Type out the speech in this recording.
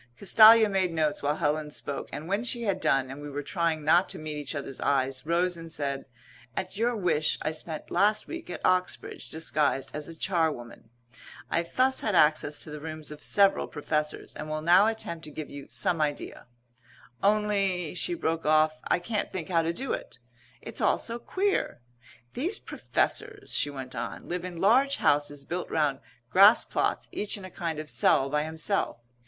Castalia made notes while Helen spoke, and when she had done, and we were trying not to meet each other's eyes, rose and said, "At your wish I spent last week at Oxbridge, disguised as a charwoman. I thus had access to the rooms of several Professors and will now attempt to give you some idea only," she broke off, "I can't think how to do it. It's all so queer. These Professors," she went on, "live in large houses built round grass plots each in a kind of cell by himself.